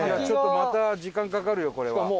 ちょっとまた時間かかるよこれは。